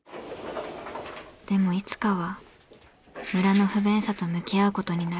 でもいつかは村の不便さと向き合うことになる。